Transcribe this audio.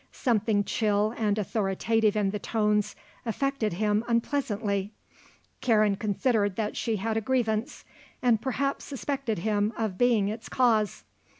Something chill and authoritative in the tones affected him unpleasantly. Karen considered that she had a grievance and perhaps suspected him of being its cause.